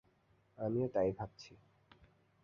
আমিও তাই ভাবছি।